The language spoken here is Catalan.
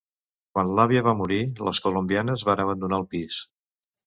Quan l'àvia va morir, les colombianes van abandonar el pis.